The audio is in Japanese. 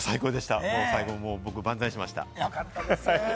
最後、僕、万歳しました。